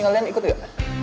kalian ikut gak